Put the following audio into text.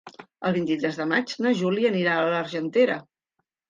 El vint-i-tres de maig na Júlia anirà a l'Argentera.